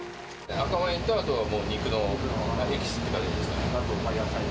赤ワインと、あともう肉のエキスって感じですね。